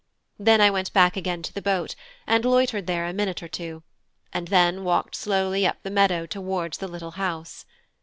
Then I went back again to the boat, and loitered there a minute or two, and then walked slowly up the meadow towards the little house.